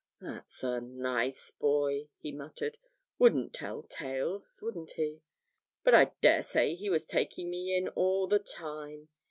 'That's a nice boy,' he muttered 'wouldn't tell tales, wouldn't he? But I dare say he was taking me in all the time.